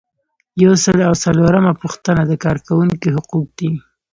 یو سل او څلورمه پوښتنه د کارکوونکي حقوق دي.